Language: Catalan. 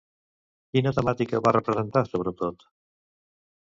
Quina temàtica va representar sobretot?